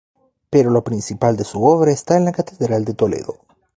Pero lo principal de su obra está en la catedral de Toledo.